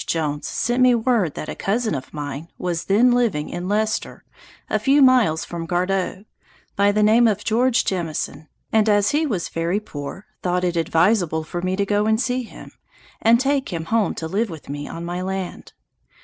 Jones sent me word that a cousin of mine was then living in Leicester, (a few miles from Gardow,) by the name of George Jemison, and as he was very poor, thought it advisable for me to go and see him, and take him home to live with me on my land.